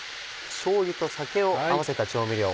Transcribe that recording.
しょうゆと酒を合わせた調味料を。